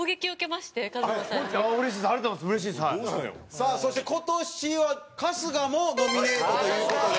さあ、そして、今年は春日もノミネートという事で。